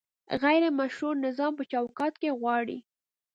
غیر مشروع نظام په چوکاټ کې غواړي؟